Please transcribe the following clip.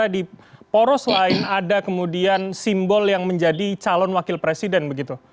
di poros lain ada kemudian simbol yang menjadi calon wakil presiden begitu